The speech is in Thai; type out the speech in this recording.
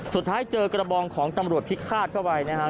สุดท้ายเจอกระบองของตำรวจพลิกฆาตเข้าไปนะฮะ